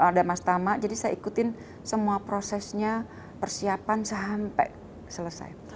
ada mas tama jadi saya ikutin semua prosesnya persiapan sampai selesai